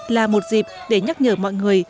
là một dịp để nhắc nhở mọi người